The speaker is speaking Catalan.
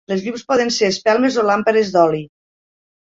Les llums poden ser espelmes o làmpades d'oli.